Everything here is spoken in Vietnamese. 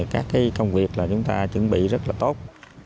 các công việc là chúng ta chuẩn bị rất là tốt